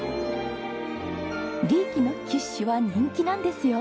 リーキのキッシュは人気なんですよ！